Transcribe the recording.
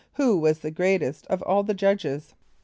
= Who was the greatest of all the judges?